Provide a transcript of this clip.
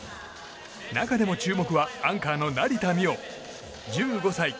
中でも注目はアンカーの成田実生、１５歳。